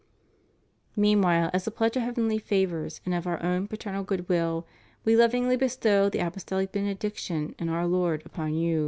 Meanwhile, as a pledge of heavenly favors and of Our own paternal good will, we lovingly bestow the Apostolic Benediction in Our Lord upon you.